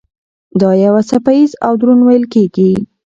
دا یو څپه ایز او دروند ویل کېږي.